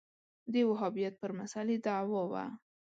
دا وهابیت پر مسألې دعوا وه